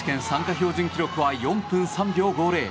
標準記録は４分３秒５０。